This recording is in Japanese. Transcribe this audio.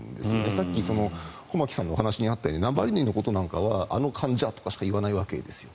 さっき駒木さんの話にあったようにナワリヌイのことはあの患者としか言わないわけなんです。